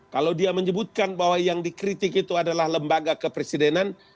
kalau dia menyebutkan bahwa yang dikritik itu adalah lembaga kepresidenan